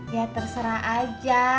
ya terserah aja